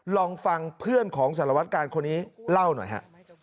ลองฟังเพื่อนของสารวัตการคนนี้เล่าหน่อยฮะ